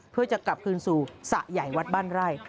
เพื่อจะกลับคืนสู่สระใหญ่วัดบ้านไร่